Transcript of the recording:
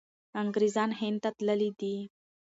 انګریزان هند ته تللي دي.